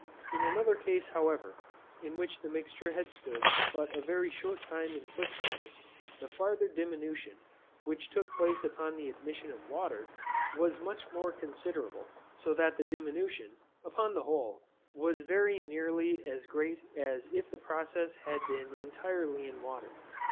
In another case however, in which the mixture had stood but a very short time in quicksilver, the farther diminution, which took place upon the admission of water, was much more considerable; so that the diminution, upon the whole, was very nearly as great as if the process had been intirely in water.